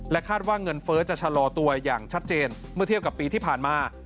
คาดว่าเงินเฟ้อจะชะลอตัวอย่างชัดเจนเมื่อเทียบกับปีที่ผ่านมา